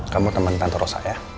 kamu teman tante rosa ya